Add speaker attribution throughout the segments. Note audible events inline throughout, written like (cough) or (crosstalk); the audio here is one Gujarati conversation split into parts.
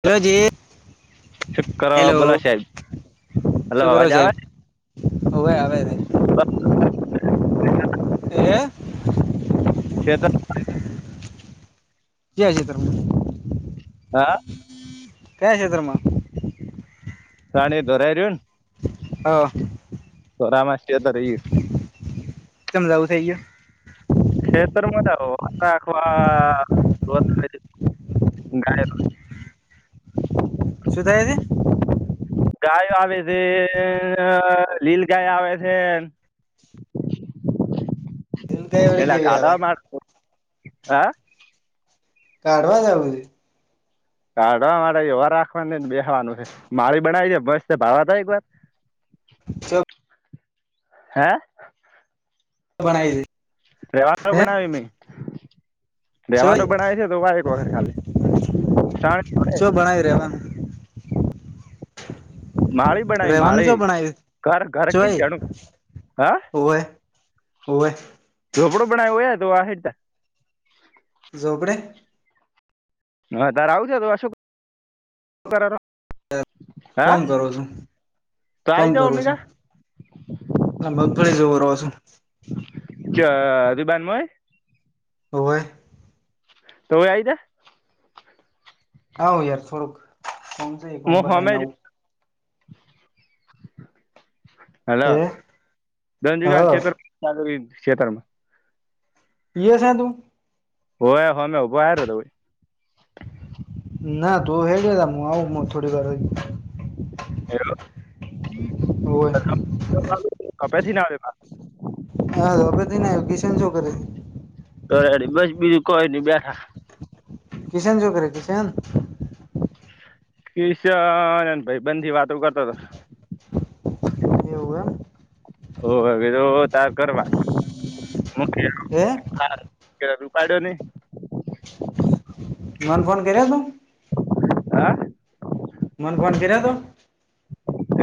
Speaker 1: હેલોજી- -
Speaker 2: (unintelligible) બોલા સાહેબ હલો
Speaker 1: શું કરો
Speaker 2: અવાજ આવે?
Speaker 1: સાહેબ હવે આવે છે
Speaker 2: બ-
Speaker 1: એ
Speaker 2: - ષેત્ર
Speaker 1: કે છે તમે?
Speaker 2: હા.
Speaker 1: ક્યાં સેત્રા માં?
Speaker 2: સાણી દ ધોરાય રહ્યુંન?
Speaker 1: હ.
Speaker 2: તોરામા છે તો રીલ
Speaker 1: સમજાવું થઇ ગયું.
Speaker 2: ખેતરમાં ચાલો આ આખવા (unintelligible) ગાય- -
Speaker 1: શું થયે છે
Speaker 2: ગાયો આવે છે લીલ ગાય આવે છે.
Speaker 1: કઈ વડે
Speaker 2: એલા
Speaker 1: કેવી આવે
Speaker 2: ગાઢ હ
Speaker 1: કાઢવા જ છે.
Speaker 2: કાઢવા માં એવા રાખવાની ને બેવાનું છે મારી બનાવી છેે મસ્ત ભાવા ત એક વાર- -
Speaker 1: (unintelligible)
Speaker 2: હે
Speaker 1: બણાય છે.
Speaker 2: રેવા
Speaker 1: હે
Speaker 2: બનાાવ મેં- - રહેેવાનું
Speaker 1: ચોય
Speaker 2: બણાય છે તો વા એક એક વખર ખાલી સાણી
Speaker 1: જો ભણાવ રહ્યા હ- -
Speaker 2: માળી બનાવી
Speaker 1: રેવાનું જો
Speaker 2: માળી
Speaker 1: ભણાય
Speaker 2: ઘર ઘર કી
Speaker 1: જોય
Speaker 2: જાણું હા
Speaker 1: હોવે હોવે.
Speaker 2: રોપડો બનાવ હો તો આહેડ
Speaker 1: જોપડે- -
Speaker 2: હા તાર આવુંજ તો અશોક કર
Speaker 1: કોમ કરો છું
Speaker 2: તો
Speaker 1: કોમ
Speaker 2: આવી જાઓ
Speaker 1: કરો
Speaker 2: અમની
Speaker 1: છું? ના મગફળી જવું રહો છું.
Speaker 2: જ રબનમાંય- -
Speaker 1: હો હોવે
Speaker 2: તો આઈજા
Speaker 1: (unintelligible)
Speaker 2: હ હમે
Speaker 1: પટાઈને
Speaker 2: જ
Speaker 1: આવું
Speaker 2: હલો
Speaker 1: હે
Speaker 2: ધંજીુગ
Speaker 1: હ
Speaker 2: ક્ષેત્રરી ક્ષેત્રમાં
Speaker 1: પીએ છે તું
Speaker 2: ઓ હ મેં ઉભોા્યો હતો
Speaker 1: ના તું હે ગ હું આવું થોડી વાર હોય
Speaker 2: હ કપેથી ના આવેમાં
Speaker 1: હા હવેધીને એજ્યુકેશન શું કરે
Speaker 2: તો બસ બીજું કોઈ નહી બેઠા
Speaker 1: કિશન કરે કિશન
Speaker 2: કીશન ભાઈબંધ થી વાતો કરતો હતો
Speaker 1: એવું એમ
Speaker 2: ઓ હવે તો તાર કરવા
Speaker 1: હે
Speaker 2: હા ઉપાડ્યો ને
Speaker 1: મન ફોન કર્યા તું
Speaker 2: હા
Speaker 1: મન ફોન કર્યા તો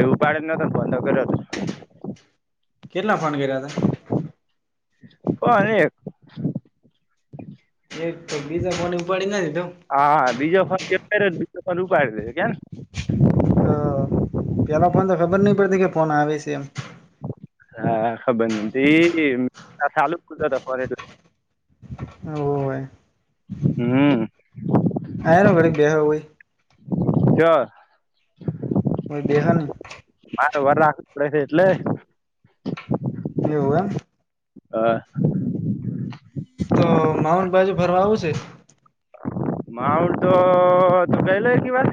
Speaker 2: એ ઉપાડે જ નતો ફોનકર્યો
Speaker 1: કેટલા ફોન કર્યા હતા
Speaker 2: ઓ અનેક
Speaker 1: એક તો બીજા કોણી ઉપાડી નથી તઉ
Speaker 2: હાા બીજો ફન એ બીજો ફન ઉપાડી દે છે કેને
Speaker 1: તો પેલા ફોન તો ખબર નહી પડતી કે ફોન આવે છે એમ
Speaker 2: હા ખબર નથી એ ચાલુ કધ ફરે એટલે (inaudible)
Speaker 1: હ હોવે
Speaker 2: હમ
Speaker 1: આયો ને ઘડીક બે હોવે.
Speaker 2: જ
Speaker 1: મારી બેહન
Speaker 2: મારે વર રાખ પડે છે એટલે?
Speaker 1: એવું એમ?
Speaker 2: હા
Speaker 1: તો માઉન્ટ બાજુ ફરવા આઉ સે?
Speaker 2: માઉન્ટ તું ગયેલો એકેવાર?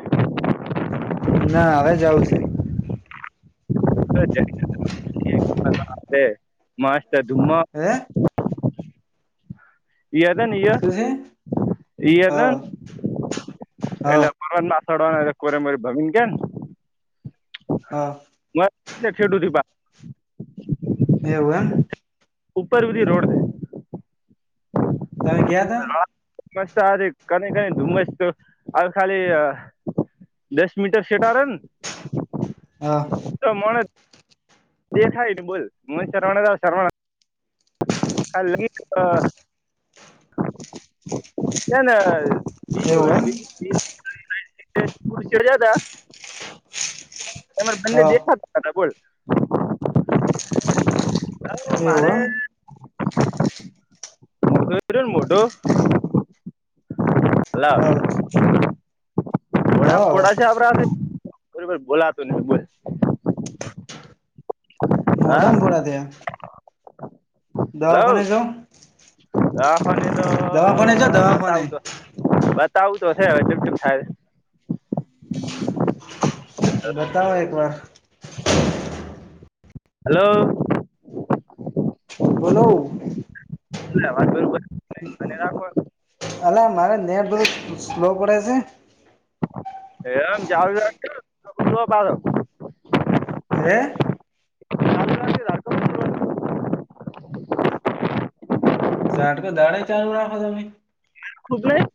Speaker 1: ના હવે જાઉં છે.
Speaker 2: (inaudible) છે મસ્ત ધૂમ
Speaker 1: હે?
Speaker 2: ઈ હત ને ઈય
Speaker 1: શું છે
Speaker 2: ઈ હત ન
Speaker 1: હ હ
Speaker 2: એટલે (inaudible) કોરેમોરે ભમીને ગયા ને.
Speaker 1: હહ
Speaker 2: એટલે છેટુ થયું પા
Speaker 1: એવું એમ?
Speaker 2: ઉપર બધી રોડ છે.
Speaker 1: તમે ગયાતા?
Speaker 2: હા મસ્ત આરી કની કનીને ધુમ્મસ હવે ખાલી દસ મીટર સેટા રે ને
Speaker 1: હા
Speaker 2: તો મોણ જ દેખાયની બોલ (unintelligible) ખાલી (unintelligible) છે ન
Speaker 1: એવું એમ?
Speaker 2: (unintelligible) ગ્યાતા. તમારા બંને
Speaker 1: હા
Speaker 2: દેખાતા તા બોલ. હા
Speaker 1: એવું
Speaker 2: મારે
Speaker 1: એમ?
Speaker 2: તો એ રયો ને મોઢો
Speaker 1: હહ
Speaker 2: ફોડામ ફોડા સાવરા તે એલુ ભાઈ બોલાતું નઈ બોલ. હા
Speaker 1: મોઢામ પુરા થયા. દવાખાને
Speaker 2: હલો
Speaker 1: જાવ
Speaker 2: હા
Speaker 1: દવાખાને જાવ દવાખાને
Speaker 2: (inaudible) તો બતાવું તો હે બતાવું તો હે હવે કેમ કેમ થાય હે.
Speaker 1: બતાવો એકવાર.
Speaker 2: હલો
Speaker 1: બોલો
Speaker 2: (unintelligible) અવાજ બરોબર મને રાખો
Speaker 1: અલા મારે નેટ બહુ સ્લો પડે સે.
Speaker 2: એમ (unintelligible)
Speaker 1: હે?
Speaker 2: ચાલુ રાખજો ધારકો
Speaker 1: ઝાટકો દાડે ચાલુ રાખો તમે?
Speaker 2: ખૂબ જ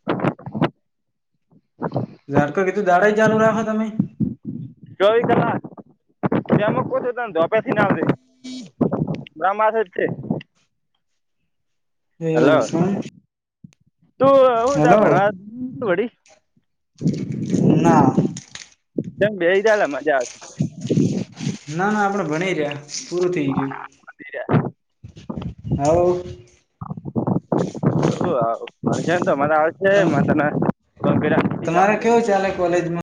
Speaker 1: જાટકો કીધું દાડે ચાલુ રાખો તમે?
Speaker 2: ચોવી કલાક (unintelligible) ધોબે થઈ ને આવજે. ગામ હાથે જ તે.
Speaker 1: એવું સે એમ?
Speaker 2: તો આવું તા
Speaker 1: હેલો
Speaker 2: ભણવા વડી?
Speaker 1: ના
Speaker 2: તમ બેઈ જાલે મજા આવે સે.
Speaker 1: ના ના આપણે ભણી રહ્યા પૂરું થઈ ગયું હ તમ તમારે કેવું
Speaker 2: (inaudible)
Speaker 1: ચાલે કોલેજમાં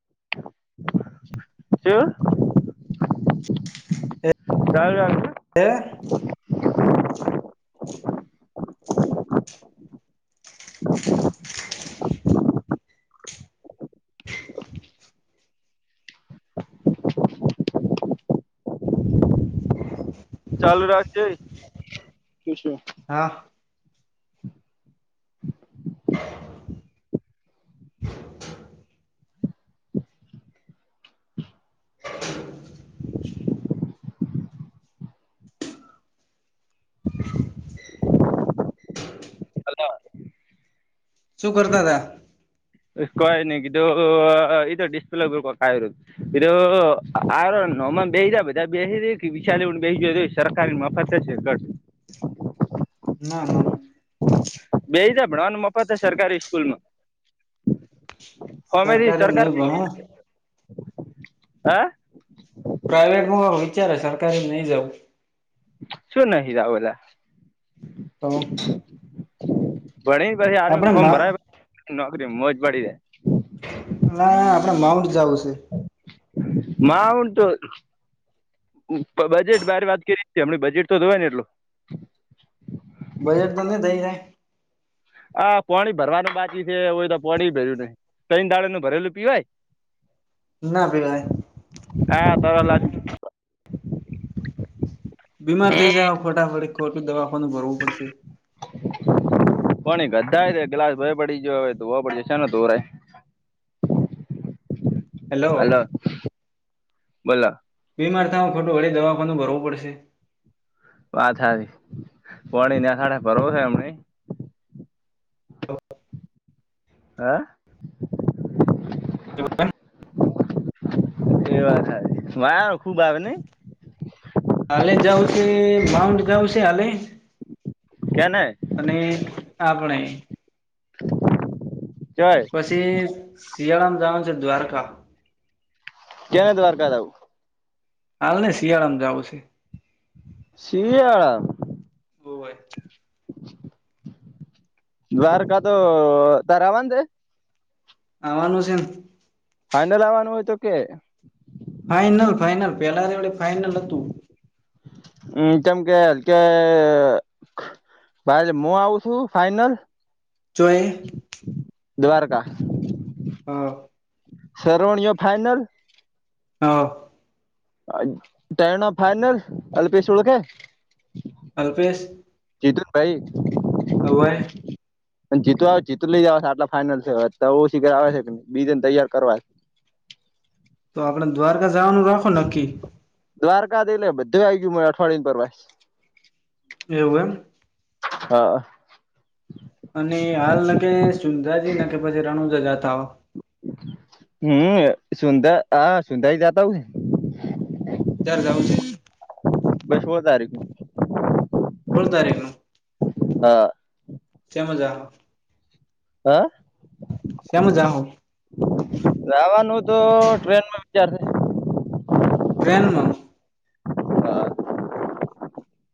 Speaker 2: (unintelligible)
Speaker 1: હે
Speaker 2: ચાલુ રાખજે (unintelligible)
Speaker 1: હા શું કરતા હતા.
Speaker 2: એ કય નય જો ઈ તો ડિસ્પ્લે ઉપર (unintelligible) એ આ નમા બધા બેહી જ કે બે વિશાલ પ બેહી જ સરકારીની મફત છે (unintelligible)
Speaker 1: ના ના
Speaker 2: બેઈ જા ભણવાનું મફત જ સરકારી સ્કૂલ માં અમેથી
Speaker 1: સરકારીમાં
Speaker 2: સરકાર
Speaker 1: નહી
Speaker 2: પૈ
Speaker 1: ભણુ
Speaker 2: હા
Speaker 1: પ્રાઈવેટમાં વિચારે સરકારી નઈ જઉ
Speaker 2: શું નહિ જાઉં એલા
Speaker 1: (unintelligible)
Speaker 2: ભણીન પછી આર્મી
Speaker 1: આપણે
Speaker 2: ફોર્મ
Speaker 1: મા
Speaker 2: ભરાય નોકરી મોજ પડી રહેે
Speaker 1: ના ના આપડ માઉન્ટ જવું છે.
Speaker 2: માઉન્ટ બજેટ બારે વાત કરી છે હમને બજેટ તો જોય ને એટલો
Speaker 1: બજેટ તો નહી થઈ જાય.
Speaker 2: આ પાણી ભરવાનું બાકી છે એય તો પાણી ભર્યું નહી કઈ દાળે નું ભરેલું પીવાય
Speaker 1: ના પીવાય
Speaker 2: હા ત આજ
Speaker 1: બીમાર થઇ જાય ફોટાફડી ખોટું દવાખાનું ભરવું પડશે
Speaker 2: (inaudible) કોણી ગધા ગ્લાસ ભય પડી ગયો હવે તોવા પડ જશે ને તોરા
Speaker 1: હેલો
Speaker 2: અ બોલો
Speaker 1: બીમાર થ ખોટું ઘડે દવાખાનું ભરવું પડશે
Speaker 2: વા થારી પોણી નાખાડે ભરવ છે એમ
Speaker 1: હ
Speaker 2: હા
Speaker 1: કે
Speaker 2: પીવા થાય વા ખુબ આવે નઈ
Speaker 1: હાલે જઉ છે માઉન્ટ જાઉ છે હાલે
Speaker 2: કે ન
Speaker 1: અને આપણે
Speaker 2: કય
Speaker 1: પછી શિયાળામાં જવાનું છે દ્વારકા
Speaker 2: ક્યારે દ્વારકા જવું છે
Speaker 1: હાલ ને શિયાળામાં જાવું છે
Speaker 2: શિયાળો
Speaker 1: હોવે- -
Speaker 2: દ્વારકા તો તારવાની છે
Speaker 1: આવવાનું હ છે ન
Speaker 2: ફાઈનલ આવવાનું હોય તો કે
Speaker 1: ફાાઈનલ ફાાઈનલ પેલા એડે ફાઈનલ હતું.
Speaker 2: હમ જેમ કે કે ખ ભાઈ હું આવઉ છું ફાઈનલ
Speaker 1: જોઈ
Speaker 2: દ્વારકા
Speaker 1: હા
Speaker 2: શરોવણીઓ ફાઈનલ
Speaker 1: અ
Speaker 2: ત્યાર નું ફાઈનલ અલ્પેશ ઓળખ
Speaker 1: અલ્પેશ.
Speaker 2: જીતુન ભાઈ.
Speaker 1: હોવે
Speaker 2: જીત આવે જીત લઈ જવા આટલા ફાાઈનલ છે તો શીખર આવે છે બીજને તૈયાર કરવા
Speaker 1: તો આપડ દ્વારકા જવાનું રાખો નક્કી
Speaker 2: દ્વારકા દ એટલે બધું આવી ગયું મળ અઠવાડિય પરવાસ
Speaker 1: એવું
Speaker 2: હા
Speaker 1: અને હાલ ન કે સુંદરાજી ન કે પછી રણુજજતાઓ
Speaker 2: હમ સુંદા હ સુંદાઈ જતા હ છે.
Speaker 1: ત્યારે જવ છ
Speaker 2: બસ હો તારીખ ન
Speaker 1: (unintelligible)
Speaker 2: હા
Speaker 1: તે મજા
Speaker 2: હા
Speaker 1: સમું જાવા
Speaker 2: જવાનું તો ટ્રેનમાં વિચાર શે.
Speaker 1: ટ્રેનમાં.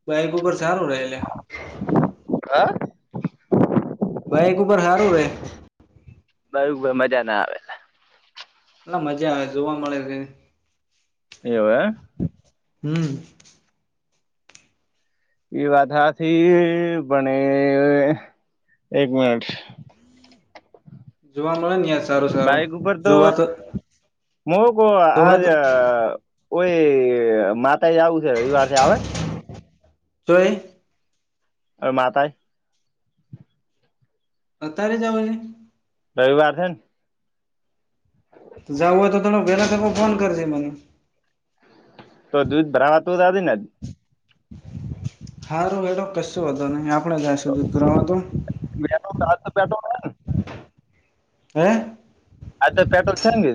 Speaker 1: બાઈક ઉપર સારું રહે લા
Speaker 2: હા
Speaker 1: બાઈક ઉપર હારું રે
Speaker 2: બ મજા ના આવે
Speaker 1: એટલા મજા આવે જોવા મળે.
Speaker 2: એવુ એમ
Speaker 1: હમ
Speaker 2: એ વાત હાથી બને એક મિનિટ (inaudible)
Speaker 1: જોવા મળે ને ય સારું સારું
Speaker 2: બાઈક ઉપર
Speaker 1: જોવા તો જોવા તો
Speaker 2: (unintelligible)
Speaker 1: તોય
Speaker 2: હ મા તાય
Speaker 1: અત્યારે જવા છે.
Speaker 2: રવિવાર હે ન હ
Speaker 1: જાવું હોય તો ત વેલા તકે ફોન કરજે મને
Speaker 2: તો દૂધ ભરાવા તુંધા ને
Speaker 1: હારું હેડો કશું વાધો નહી આપણેે જઈશું દૂધ ભરવામાં તો
Speaker 2: બેઠ રા બેઠો
Speaker 1: હ હે?
Speaker 2: આ તો પેટ્રોલ છે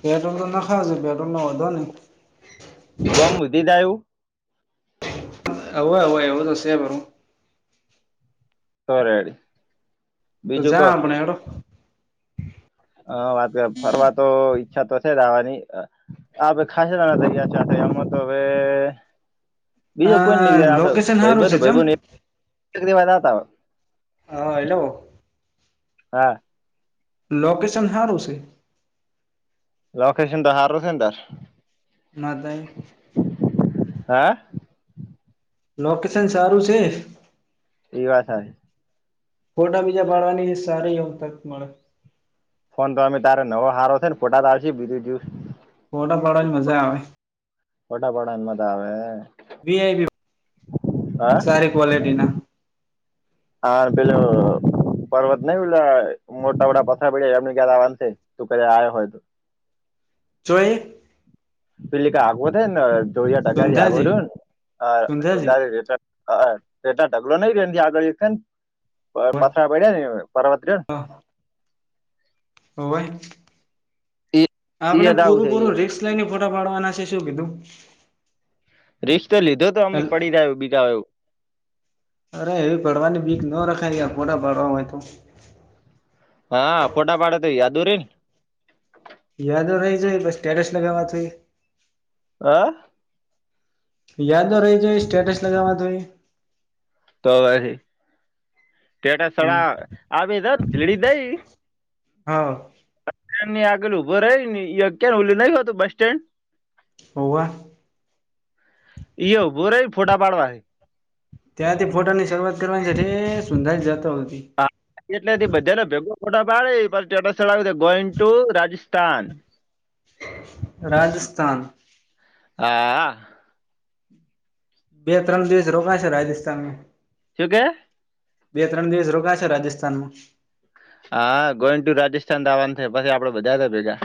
Speaker 1: પેટ્રોલ તો નાખા શે પેટ્રોલ ના હોધો નય-
Speaker 2: (unintelligible)
Speaker 1: ઓવ એવોવ દસ પરું
Speaker 2: કરેજ
Speaker 1: તો જાય આપણે હેડો
Speaker 2: હ વાત કર ફરવા તો ઈચ્છા તો છે જ આવવાની આપે ખાસા જણા થઇ ગયા છે એમાં તો હવે બીજું
Speaker 1: આ
Speaker 2: કોઈય આપડે
Speaker 1: લોકેશન સારું છે
Speaker 2: ભાઈબંધ
Speaker 1: જેમ
Speaker 2: ભાઈબંધ (inaudible)
Speaker 1: હા હેલો
Speaker 2: હા
Speaker 1: લોકેશન હારુ છે
Speaker 2: લોકેેશન તો હારુ છે તાર
Speaker 1: ના તઇ
Speaker 2: હે
Speaker 1: લોકેશન સારું છે
Speaker 2: પીવા થાય
Speaker 1: ફોટા બીજા પાડવાની સારી એવી તક મળે
Speaker 2: ફોન તો અઅમે તારે નવો હારો છ ને ફોટાતા આવશે બીજું જ્યુસ
Speaker 1: ફોટા પાડવાની મજા આવે
Speaker 2: ફોટા પાડવાનો મજા આવે
Speaker 1: વીઆઈપી
Speaker 2: હા
Speaker 1: સારી ક્વલિટી ના
Speaker 2: હા પેલું પર્વત નઈ પલા મોટા બટા પથરા પડયા રહેતા એમને (inaudible) તું કે છે આય હોય તો
Speaker 1: જોએ
Speaker 2: પેલી ક આગવ થાય ને જોરિયા ટકા આગો
Speaker 1: સુંધાજી
Speaker 2: ને
Speaker 1: સુંધાજી
Speaker 2: સુધારી (inaudible) હ એટ ઢગલો નઈ ર આગળ ને
Speaker 1: હોય
Speaker 2: પથરા પડ્યા ને પર્વત રહ્યો ને
Speaker 1: હો ભાઈ
Speaker 2: ને ઈ
Speaker 1: આપણે
Speaker 2: યાદ આવું
Speaker 1: પૂરું
Speaker 2: થઈ
Speaker 1: પૂરું
Speaker 2: ગયું
Speaker 1: રિકશ (unintelligible) ફોટો પાડવાના સે શું કીધું
Speaker 2: રીકસ તો લીધો તો અમમે પડી રહ બીજા હોયું.
Speaker 1: અરે એવી પડવાની બીક ન રખાય તં ફોટા પાડવા હોય તો.
Speaker 2: હા ફોટા પાડેતો યાદો રેય
Speaker 1: યાદો રઈ જાય. બસ સ્ટટેટસ લગાવવા જોયે
Speaker 2: હા
Speaker 1: યાદો રઈ જાય. એ સ્ટટેટસ લગાવવા તઈ
Speaker 2: તો ટા સડા આવી લીડી દઈ
Speaker 1: હા
Speaker 2: બ ની આગળલ ઊભો ર ને ક ઓલું નઈ હતું બસ સ્ટેન્ડ
Speaker 1: હોવ
Speaker 2: ઇયા ઉભા રહીન ફોટા પાડવા
Speaker 1: ત્યાંથી ફોટા ની શરૂઆત કરવાની છે. સુંંધર જાતો હતી.
Speaker 2: એટલે થી બધાને ભેગ ખોટા પાડે પછીટા સ્થળ આવ ગોઈન ટુ રાજસ્થાન.
Speaker 1: રાજસ્થાન
Speaker 2: હા
Speaker 1: બે ત્રણ દિવસ રોકા છે રાજસ્થાન.
Speaker 2: શું કે?
Speaker 1: બે ત્રણ દિવસ રોકા છે રાજસ્થાનમાં.
Speaker 2: હા ગોઈન ટુ રાજસ્થાનવાનું થ પછી આપડે બધા હતા ભેગા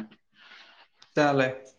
Speaker 1: ચાલે.